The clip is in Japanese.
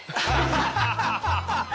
ハハハハ！